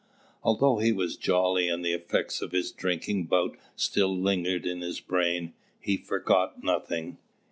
Although he was jolly, and the effects of his drinking bout still lingered in his brain, he forgot nothing.